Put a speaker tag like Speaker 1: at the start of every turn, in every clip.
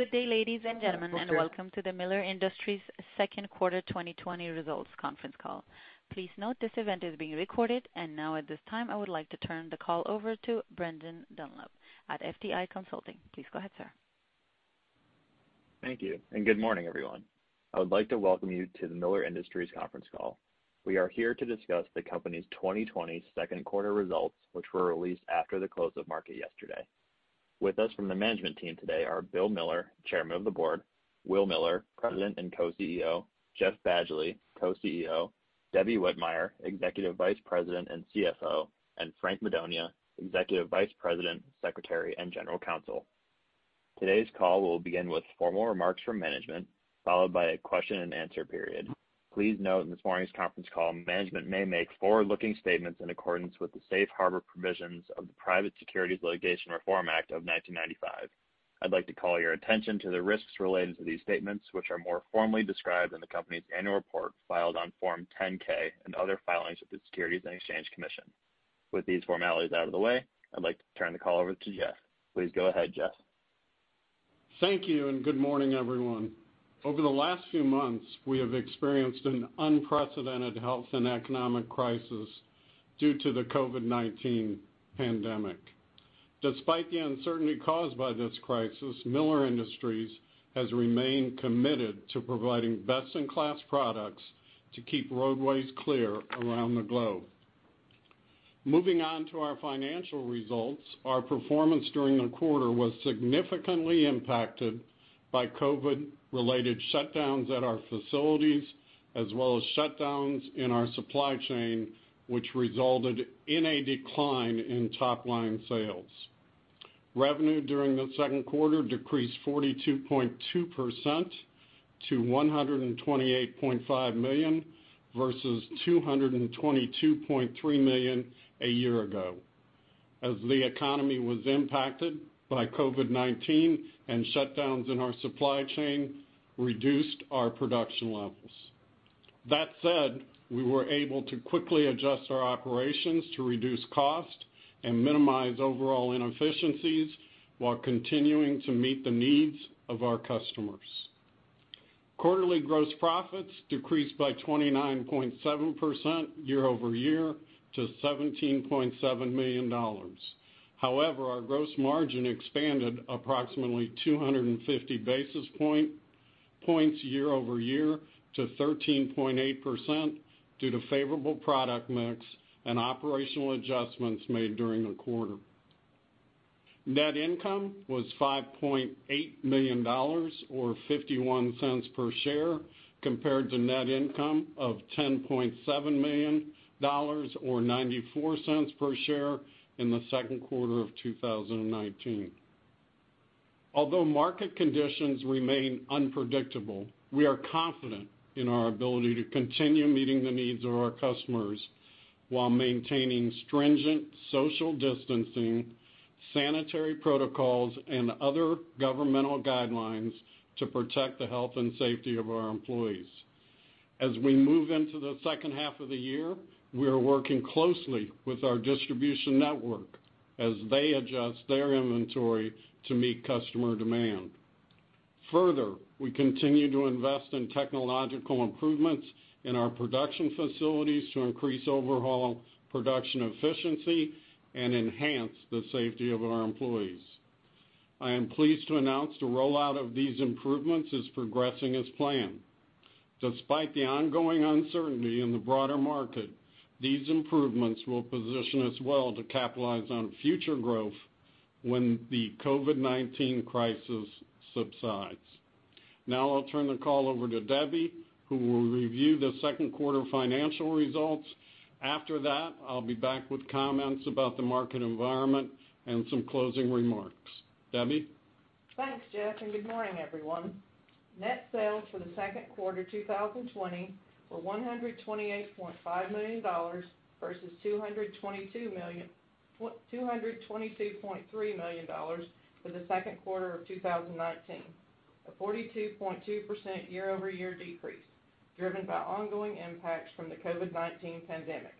Speaker 1: Good day, ladies and gentlemen, and welcome to the Miller Industries second quarter 2020 results conference call. Please note this event is being recorded and now at this time, I would like to turn the call over to Brendan Dunlap at FTI Consulting. Please go ahead, sir.
Speaker 2: Thank you, and good morning, everyone. I would like to welcome you to the Miller Industries conference call. We are here to discuss the company's 2020 second quarter results, which were released after the close of market yesterday. With us from the management team today are Bill Miller, Chairman of the Board, Will Miller, President and Co-CEO, Jeff Badgley, Co-CEO, Debbie Whitmire, Executive Vice President and CFO, and Frank Madonia, Executive Vice President, Secretary, and General Counsel. Today's call will begin with formal remarks from management, followed by a question-and-answer period. Please note, in this morning's conference call, management may make forward-looking statements in accordance with the safe harbor provisions of the Private Securities Litigation Reform Act of 1995. I'd like to call your attention to the risks related to these statements, which are more formally described in the company's annual report filed on Form 10-K and other filings with the Securities and Exchange Commission. With these formalities out of the way, I'd like to turn the call over to Jeff. Please go ahead, Jeff.
Speaker 3: Thank you, good morning, everyone. Over the last few months, we have experienced an unprecedented health and economic crisis due to the COVID-19 pandemic. Despite the uncertainty caused by this crisis, Miller Industries has remained committed to providing best-in-class products to keep roadways clear around the globe. Moving on to our financial results, our performance during the quarter was significantly impacted by COVID-related shutdowns at our facilities, as well as shutdowns in our supply chain, which resulted in a decline in top-line sales. Revenue during the second quarter decreased 42.2% to $128.5 million, versus $222.3 million a year ago, as the economy was impacted by COVID-19 and shutdowns in our supply chain reduced our production levels. That said, we were able to quickly adjust our operations to reduce cost and minimize overall inefficiencies while continuing to meet the needs of our customers. Quarterly gross profits decreased by 29.7% year-over-year to $17.7 million. However, our gross margin expanded approximately 250 basis points year-over-year to 13.8% due to favorable product mix and operational adjustments made during the quarter. Net income was $5.8 million or $0.51 per share, compared to net income of $10.7 million or $0.94 per share in the second quarter of 2019. Although market conditions remain unpredictable, we are confident in our ability to continue meeting the needs of our customers while maintaining stringent social distancing, sanitary protocols, and other governmental guidelines to protect the health and safety of our employees. As we move into the second half of the year, we are working closely with our distribution network as they adjust their inventory to meet customer demand. Further, we continue to invest in technological improvements in our production facilities to increase overall production efficiency and enhance the safety of our employees. I am pleased to announce the rollout of these improvements is progressing as planned. Despite the ongoing uncertainty in the broader market, these improvements will position us well to capitalize on future growth when the COVID-19 crisis subsides. Now I'll turn the call over to Debbie, who will review the second quarter financial results. After that, I'll be back with comments about the market environment and some closing remarks. Debbie?
Speaker 4: Thanks, Jeff, and good morning, everyone. Net sales for the second quarter 2020 were $128.5 million versus $222.3 million for the second quarter of 2019. A 42.2% year-over-year decrease, driven by ongoing impacts from the COVID-19 pandemic.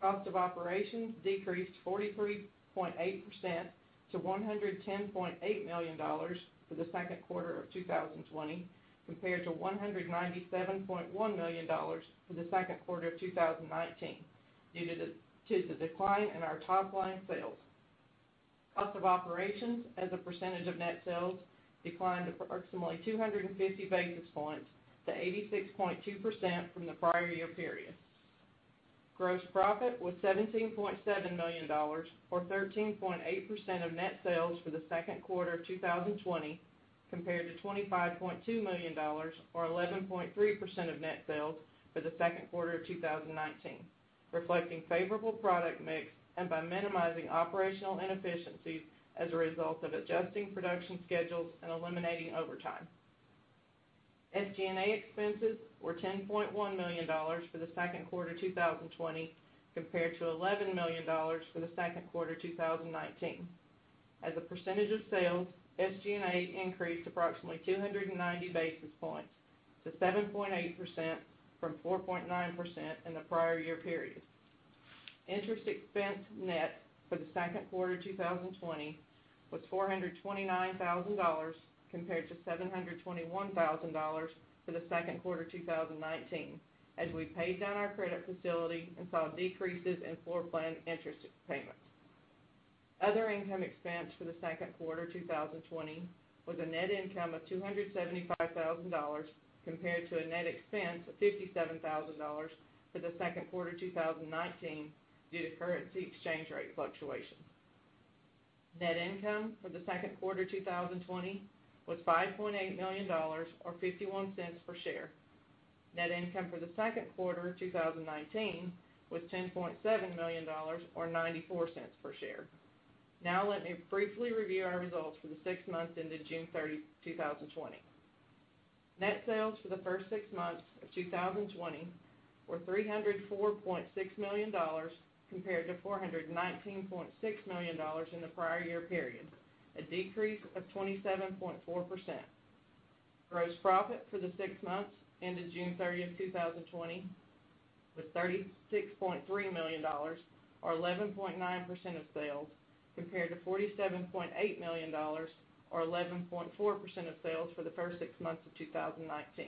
Speaker 4: Cost of operations decreased 43.8% to $110.8 million for the second quarter of 2020, compared to $197.1 million for the second quarter of 2019 due to the decline in our top-line sales. Cost of operations as a percentage of net sales declined approximately 250 basis points to 86.2% from the prior year period. Gross profit was $17.7 million, or 13.8% of net sales for the second quarter of 2020, compared to $25.2 million, or 11.3% of net sales for the second quarter of 2019, reflecting favorable product mix and by minimizing operational inefficiencies as a result of adjusting production schedules and eliminating overtime. SG&A expenses were $10.1 million for the second quarter 2020, compared to $11 million for the second quarter 2019. As a percentage of sales, SG&A increased approximately 290 basis points to 7.8% from 4.9% in the prior year period. Interest expense net for the second quarter 2020 was $429,000 compared to $721,000 for the second quarter 2019 as we paid down our credit facility and saw decreases in floor plan interest payments. Other income expense for the second quarter 2020 was a net income of $275,000 compared to a net expense of $57,000 for the second quarter 2019 due to currency exchange rate fluctuations. Net income for the second quarter 2020 was $5.8 million or $0.51 per share. Net income for the second quarter 2019 was $10.7 million or $0.94 per share. Now let me briefly review our results for the six months ended June 30, 2020. Net sales for the first six months of 2020 were $304.6 million compared to $419.6 million in the prior year period, a decrease of 27.4%. Gross profit for the six months ended June 30, 2020 was $36.3 million or 11.9% of sales, compared to $47.8 million or 11.4% of sales for the first six months of 2019.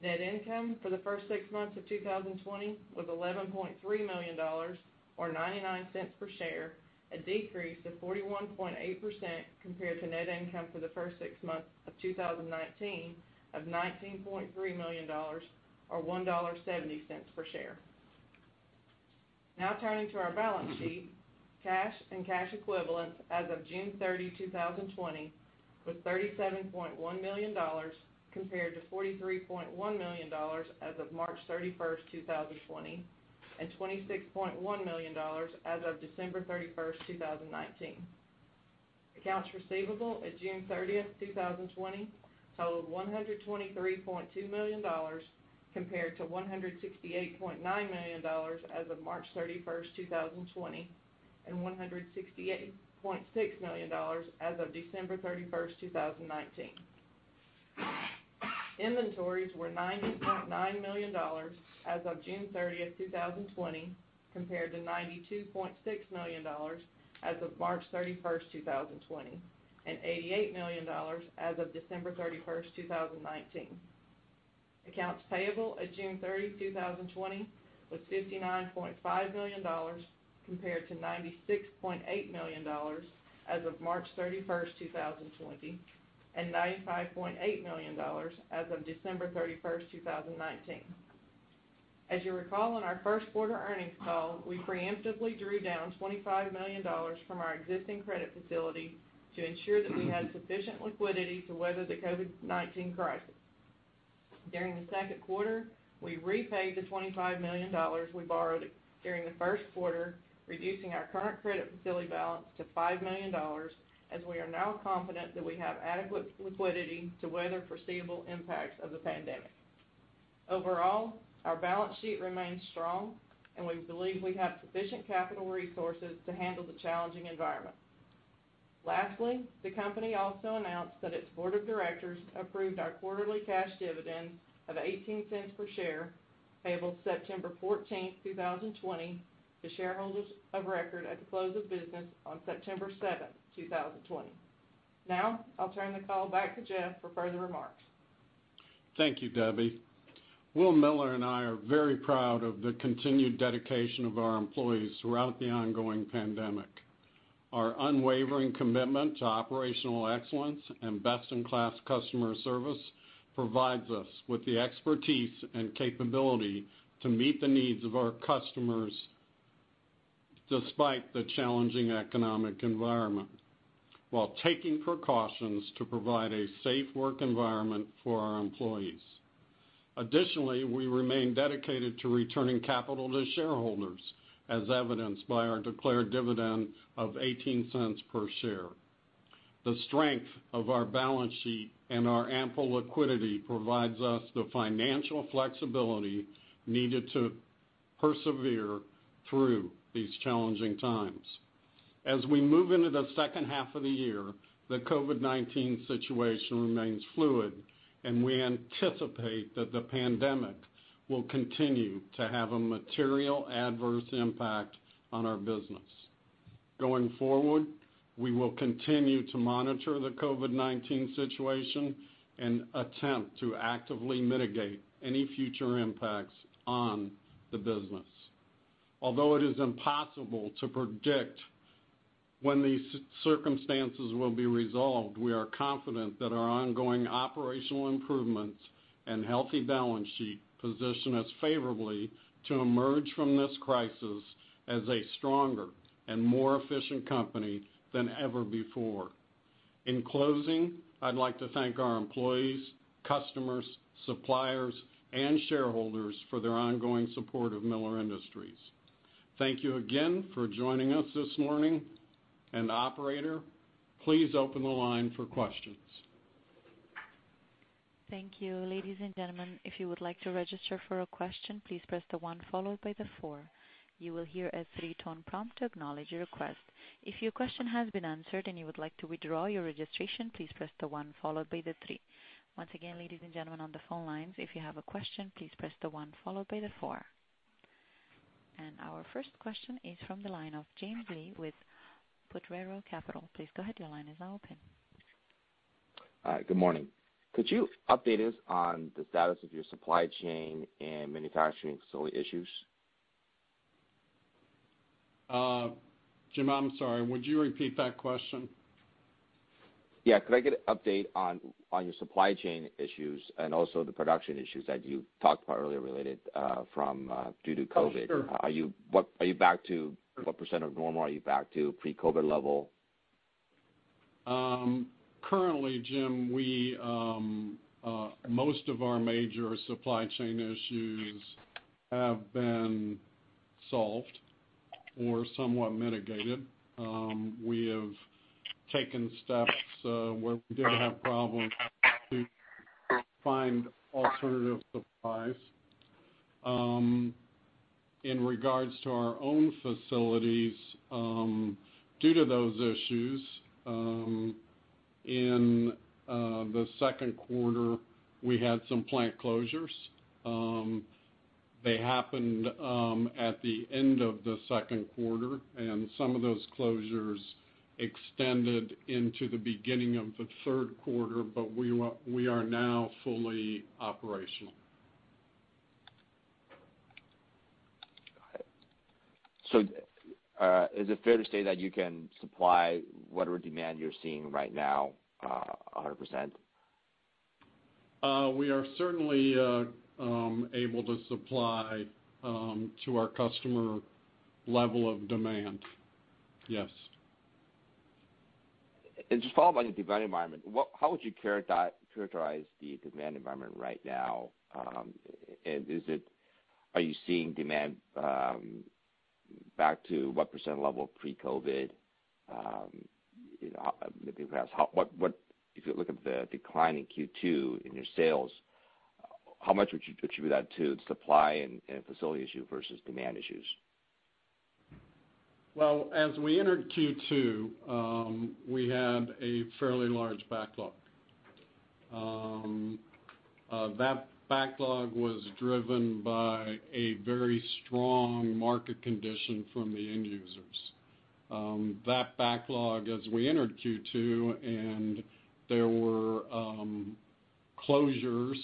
Speaker 4: Net income for the first six months of 2020 was $11.3 million or $0.99 per share, a decrease of 41.8% compared to net income for the first six months of 2019 of $19.3 million or $1.70 per share. Now turning to our balance sheet. Cash and cash equivalents as of June 30, 2020, was $37.1 million, compared to $43.1 million as of March 31st, 2020, and $26.1 million as of December 31st, 2019. Accounts receivable at June 30th, 2020, totaled $123.2 million compared to $168.9 million as of March 31st, 2020, and $168.6 million as of December 31, 2019. Inventories were $90.9 million as of June 30, 2020, compared to $92.6 million as of March 31st, 2020, and $88 million as of December 31st, 2019. Accounts payable at June 30, 2020, was $59.5 million compared to $96.8 million as of March 31, 2020, and $95.8 million as of December 31st, 2019. As you recall on our first quarter earnings call, we preemptively drew down $25 million from our existing credit facility to ensure that we had sufficient liquidity to weather the COVID-19 crisis. During the second quarter, we repaid the $25 million we borrowed during the first quarter, reducing our current credit facility balance to $5 million as we are now confident that we have adequate liquidity to weather foreseeable impacts of the pandemic. Overall, our balance sheet remains strong, and we believe we have sufficient capital resources to handle the challenging environment. Lastly, the company also announced that its board of directors approved our quarterly cash dividend of $0.18 per share payable September 14, 2020, to shareholders of record at the close of business on September 7th, 2020. Now, I'll turn the call back to Jeff for further remarks.
Speaker 3: Thank you, Debbie. Will Miller and I are very proud of the continued dedication of our employees throughout the ongoing pandemic. Our unwavering commitment to operational excellence and best-in-class customer service provides us with the expertise and capability to meet the needs of our customers despite the challenging economic environment while taking precautions to provide a safe work environment for our employees. Additionally, we remain dedicated to returning capital to shareholders, as evidenced by our declared dividend of $0.18 per share. The strength of our balance sheet and our ample liquidity provides us the financial flexibility needed to persevere through these challenging times. As we move into the second half of the year, the COVID-19 situation remains fluid, and we anticipate that the pandemic will continue to have a material adverse impact on our business. Going forward, we will continue to monitor the COVID-19 situation and attempt to actively mitigate any future impacts on the business. Although it is impossible to predict when these circumstances will be resolved, we are confident that our ongoing operational improvements and healthy balance sheet position us favorably to emerge from this crisis as a stronger and more efficient company than ever before. In closing, I'd like to thank our employees, customers, suppliers, and shareholders for their ongoing support of Miller Industries. Thank you again for joining us this morning. Operator, please open the line for questions.
Speaker 1: Thank you. Ladies and gentlemen, if you would like to register for a question, please press the one followed by the four. You will hear a three-tone prompt to acknowledge your request. If your question has been answered and you would like to withdraw your registration, please press the one followed by the three. Once again, ladies and gentlemen on the phone lines, if you have a question, please press the one followed by the four. Our first question is from the line of Jim Lee with Potrero Capital. Please go ahead, your line is now open.
Speaker 5: Hi, good morning. Could you update us on the status of your supply chain and manufacturing facility issues?
Speaker 3: Jim, I'm sorry, would you repeat that question?
Speaker 5: Yeah. Could I get an update on your supply chain issues and also the production issues that you talked about earlier due to COVID?
Speaker 3: Oh, sure.
Speaker 5: Are you back to—what percent of normal are you back to pre-COVID level?
Speaker 3: Currently, Jim, most of our major supply chain issues have been solved or somewhat mitigated. We have taken steps where we did have problems to find alternative supplies. In regards to our own facilities, due to those issues, in the second quarter, we had some plant closures. They happened at the end of the second quarter, and some of those closures extended into the beginning of the third quarter, but we are now fully operational.
Speaker 5: Got it. Is it fair to say that you can supply whatever demand you're seeing right now 100%?
Speaker 3: We are certainly able to supply to our customer level of demand. Yes.
Speaker 5: Just follow up on the demand environment. How would you characterize the demand environment right now? Are you seeing demand back to what percent level pre-COVID? If you look at the decline in Q2 in your sales, how much would you attribute that to supply and facility issue versus demand issues?
Speaker 3: Well, as we entered Q2, we had a fairly large backlog. That backlog was driven by a very strong market condition from the end users. That backlog as we entered Q2, and there were closures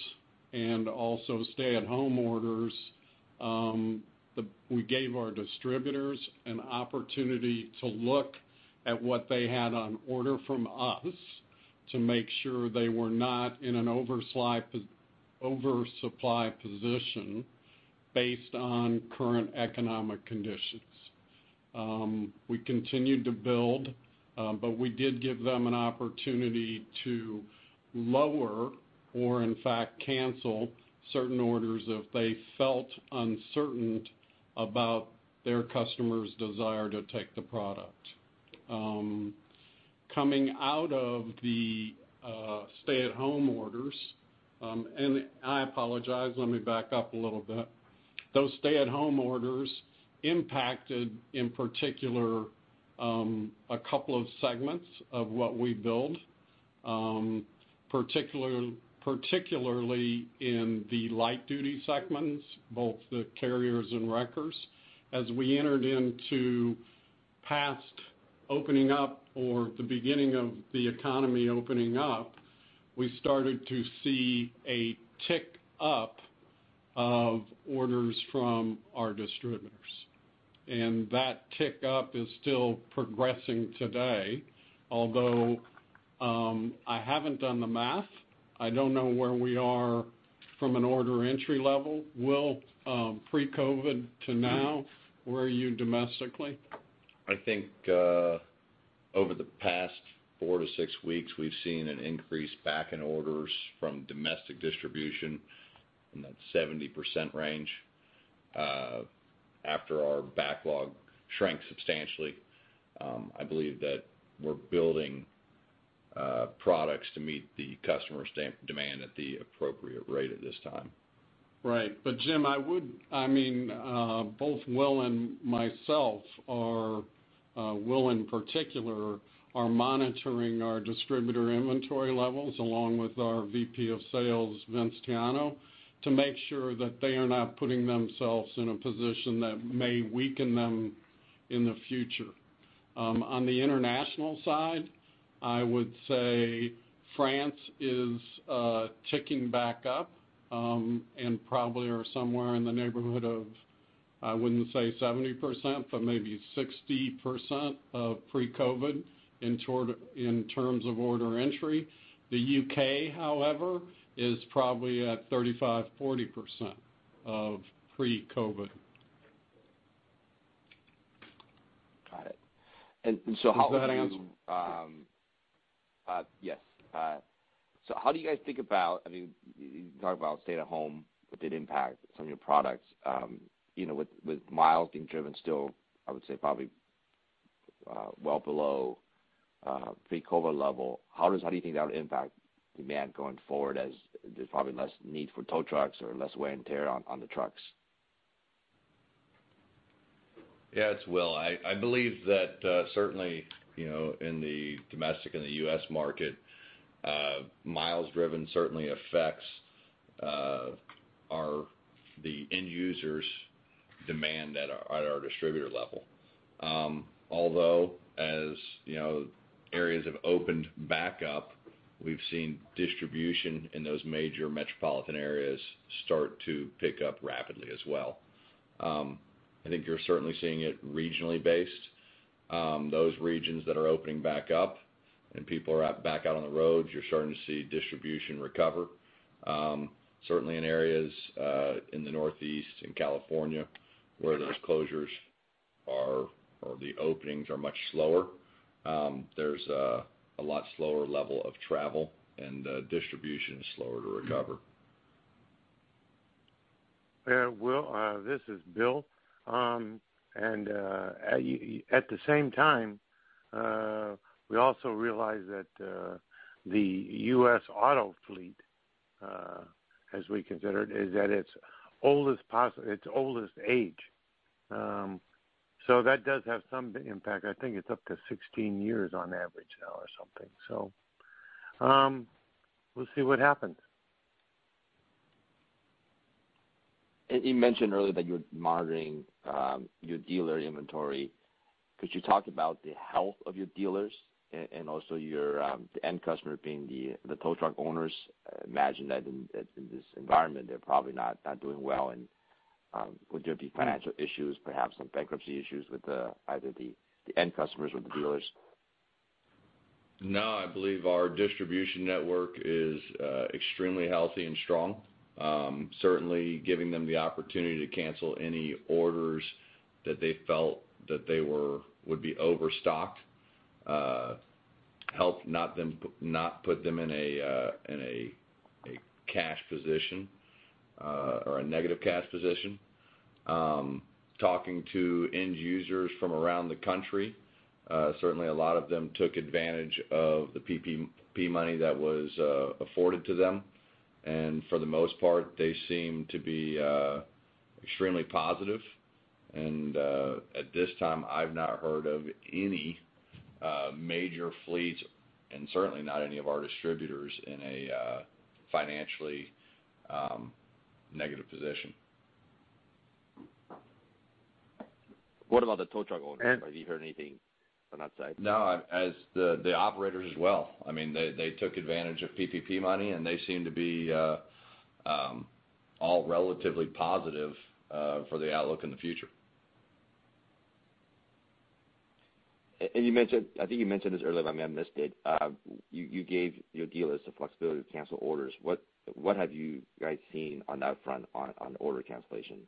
Speaker 3: and also stay-at-home orders. We gave our distributors an opportunity to look at what they had on order from us to make sure they were not in an oversupply position based on current economic conditions. We continued to build, but we did give them an opportunity to lower or in fact cancel certain orders if they felt uncertain about their customers' desire to take the product. Coming out of the stay-at-home orders, and I apologize, let me back up a little bit. Those stay-at-home orders impacted, in particular, a couple of segments of what we build. Particularly in the light-duty segments, both the carriers and wreckers. As we entered into past opening up or the beginning of the economy opening up, we started to see a tick up of orders from our distributors. That tick up is still progressing today, although, I haven't done the math. I don't know where we are from an order entry level. Will, pre-COVID to now, where are you domestically?
Speaker 6: I think over the past four to six weeks, we've seen an increase back in orders from domestic distribution in that 70% range, after our backlog shrank substantially. I believe that we're building products to meet the customer demand at the appropriate rate at this time.
Speaker 3: Right. Jim, both Will and myself are, Will in particular, are monitoring our distributor inventory levels along with our VP of sales, Vince Tiano, to make sure that they are not putting themselves in a position that may weaken them in the future. On the international side, I would say France is ticking back up, and probably are somewhere in the neighborhood of, I wouldn't say 70%, but maybe 60% of pre-COVID in terms of order entry. The U.K., however, is probably at 35%-40% of pre-COVID.
Speaker 5: Got it.
Speaker 3: Does that answer?
Speaker 5: Yes. How do you guys think about, you can talk about stay at home, but did impact some of your products. With miles being driven still, I would say probably well below pre-COVID-19 level, how do you think that would impact demand going forward as there's probably less need for tow trucks or less wear and tear on the trucks?
Speaker 6: Yeah, it's Will. I believe that certainly, in the domestic and the U.S. market, miles driven certainly affects the end user's demand at our distributor level. As areas have opened back up, we've seen distribution in those major metropolitan areas start to pick up rapidly as well. I think you're certainly seeing it regionally based. Those regions that are opening back up and people are back out on the road; you're starting to see distribution recover. In areas in the Northeast and California where those closures or the openings are much slower, there's a lot slower level of travel and distribution is slower to recover.
Speaker 7: Will, this is Bill. At the same time, we also realize that the U.S. auto fleet as we consider it, is at its oldest age. That does have some impact. I think it's up to 16 years on average now or something. We'll see what happens.
Speaker 5: You mentioned earlier that you're monitoring your dealer inventory. Could you talk about the health of your dealers and also your end customer being the tow truck owners? I imagine that in this environment, they're probably not doing well and would there be financial issues, perhaps some bankruptcy issues with either the end customers or the dealers?
Speaker 6: No, I believe our distribution network is extremely healthy and strong. Certainly, giving them the opportunity to cancel any orders that they felt that they would be overstocked helped not put them in a cash position or a negative cash position. Talking to end users from around the country, certainly a lot of them took advantage of the PPP money that was afforded to them. For the most part, they seem to be extremely positive. At this time, I've not heard of any major fleets and certainly not any of our distributors in a financially negative position.
Speaker 5: What about the tow truck owners? Have you heard anything on that side?
Speaker 6: No, as the operators as well. They took advantage of PPP money, and they seem to be all relatively positive for the outlook in the future.
Speaker 5: I think you mentioned this earlier, but maybe I missed it. You gave your dealers the flexibility to cancel orders. What have you guys seen on that front on order cancellation?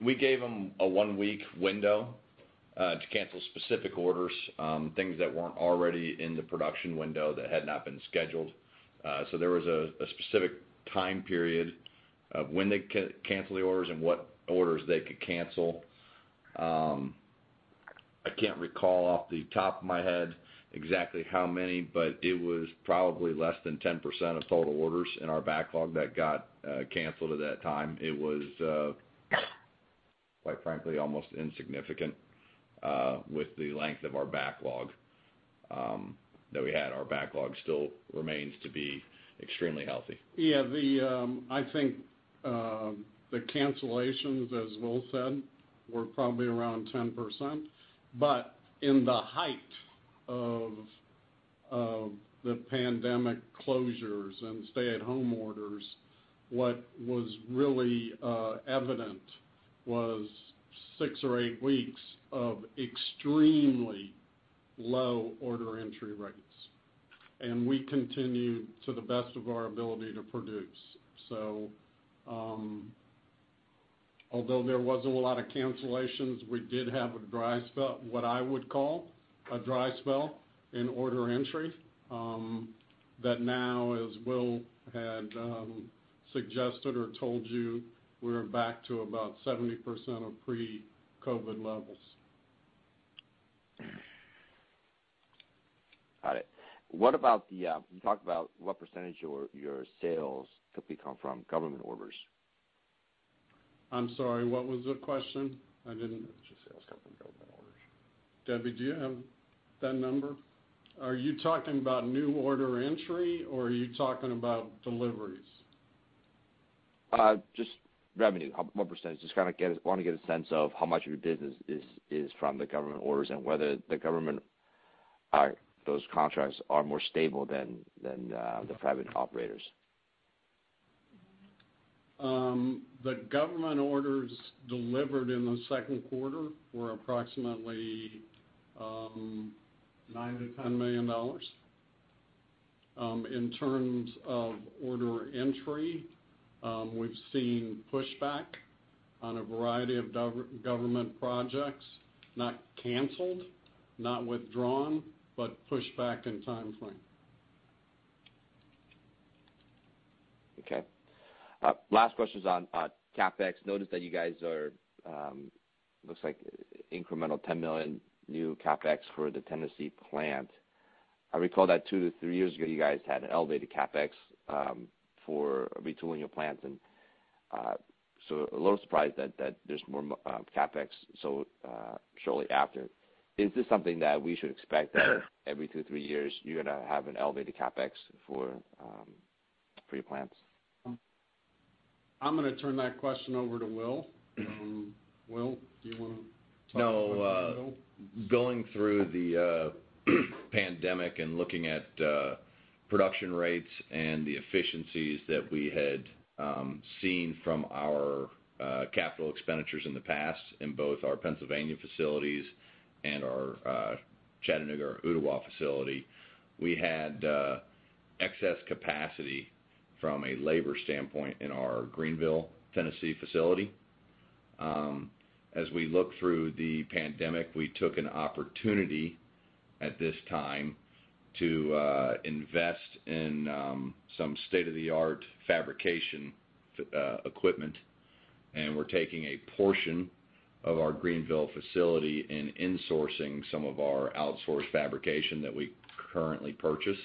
Speaker 6: We gave them a one-week window to cancel specific orders, things that weren't already in the production window that had not been scheduled. There was a specific time period of when they could cancel the orders and what orders they could cancel. I can't recall off the top of my head exactly how many, but it was probably less than 10% of total orders in our backlog that got canceled at that time. It was, quite frankly, almost insignificant with the length of our backlog that we had. Our backlog still remains to be extremely healthy.
Speaker 3: Yeah. I think the cancellations, as Will said, were probably around 10%, in the height of the pandemic closures and stay-at-home orders, what was really evident was six or eight weeks of extremely low order entry rates. We continued to the best of our ability to produce. Although there wasn't a lot of cancellations, we did have what I would call a dry spell in order entry that now, as Will had suggested or told you, we're back to about 70% of pre-COVID levels.
Speaker 5: Got it. You talked about what percentage of your sales could come from government orders?
Speaker 3: I'm sorry, what was the question?
Speaker 6: What's your sales come from government orders?
Speaker 3: Debbie, do you have that number? Are you talking about new order entry or are you talking about deliveries?
Speaker 5: Just revenue. What percent? Just kind of want to get a sense of how much of your business is from the government orders and whether the government or those contracts are more stable than the private operators.
Speaker 3: The government orders delivered in the second quarter were approximately $9 million-$10 million. In terms of order entry, we've seen pushback on a variety of government projects, not canceled, not withdrawn, but pushed back in timeline.
Speaker 5: Okay. Last question's on CapEx. Noticed that you guys look like incremental $10 million new CapEx for the Tennessee plant. I recall that two to three years ago, you guys had an elevated CapEx for retooling your plants. A little surprised that there's more CapEx so shortly after. Is this something that we should expect that every two, three years you're going to have an elevated CapEx for your plants?
Speaker 3: I'm going to turn that question over to Will. Will, do you want to talk about that a little?
Speaker 6: No. Going through the pandemic and looking at production rates and the efficiencies that we had seen from our capital expenditures in the past, in both our Pennsylvania facilities and our Chattanooga or Ooltewah facility. We had excess capacity from a labor standpoint in our Greeneville, Tennessee facility. As we look through the pandemic, we took an opportunity at this time to invest in some state-of-the-art fabrication equipment. We're taking a portion of our Greeneville facility and insourcing some of our outsourced fabrication that we currently purchase,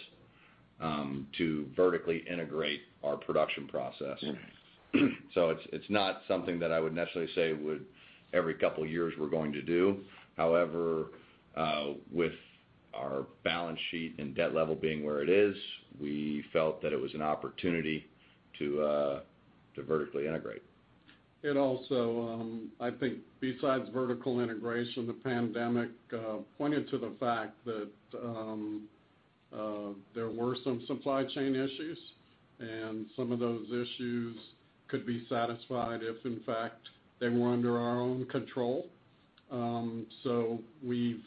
Speaker 6: to vertically integrate our production process.
Speaker 5: Okay.
Speaker 6: It's not something that I would necessarily say would every couple of years we're going to do. However, with our balance sheet and debt level being where it is, we felt that it was an opportunity to vertically integrate.
Speaker 3: It also, I think besides vertical integration, the pandemic pointed to the fact that there were some supply chain issues. Some of those issues could be satisfied if, in fact, they were under our own control. We've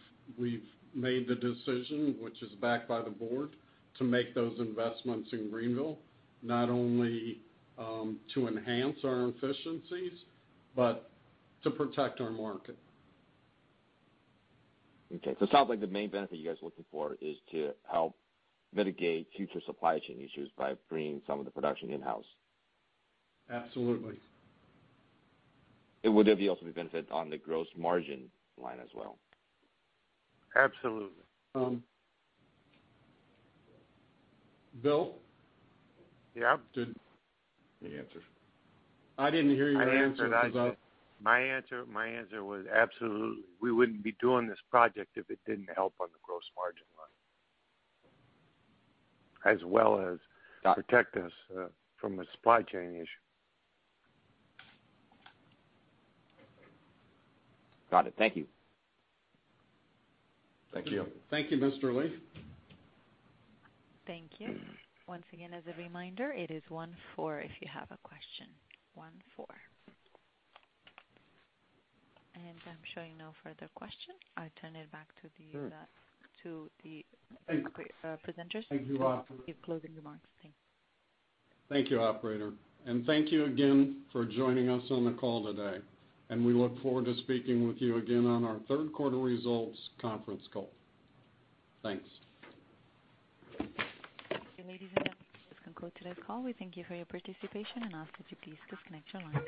Speaker 3: made the decision, which is backed by the board, to make those investments in Greeneville, not only to enhance our efficiencies, but to protect our market.
Speaker 5: Okay. It sounds like the main benefit you guys are looking for is to help mitigate future supply chain issues by bringing some of the production in-house.
Speaker 3: Absolutely.
Speaker 5: Would there be also a benefit on the gross margin line as well?
Speaker 7: Absolutely.
Speaker 3: Bill?
Speaker 6: Yeah. He answered.
Speaker 3: I didn't hear your answer to the—
Speaker 7: My answer was absolutely. We wouldn't be doing this project if it didn't help on the gross margin line, as well as—
Speaker 5: Got it.
Speaker 7: —protect us from a supply chain issue.
Speaker 5: Got it. Thank you.
Speaker 6: Thank you.
Speaker 3: Thank you, Mr. Lee.
Speaker 1: Thank you. Once again, as a reminder, it is one four if you have a question. One four. I'm showing no further questions.
Speaker 3: Sure
Speaker 1: I turn it back to the presenters–
Speaker 3: Thank you, operator
Speaker 1: –to give closing remarks. Thanks.
Speaker 3: Thank you, operator. Thank you again for joining us on the call today, and we look forward to speaking with you again on our third quarter results conference call. Thanks.
Speaker 1: Ladies and gentlemen, this concludes today's call. We thank you for your participation and ask that you please disconnect your lines.